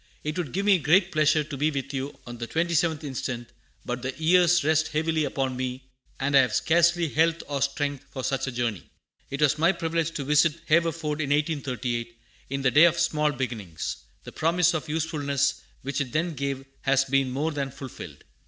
It would give me great pleasure to be with you on the 27th inst., but the years rest heavily upon me, and I have scarcely health or strength for such a journey. It was my privilege to visit Haverford in 1838, in "the day of small beginnings." The promise of usefulness which it then gave has been more than fulfilled.